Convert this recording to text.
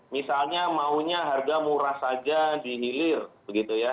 misalnya maunya harga murah saja dihilir begitu ya